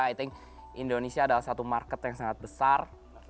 karena mungkin indonesia adalah satu market yang sangat besar